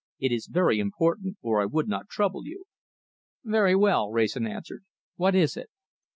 "It is very important or I would not trouble you." "Very well," Wrayson answered. "What is it?"